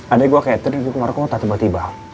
adek gua kayak tidur di rumah kota tiba tiba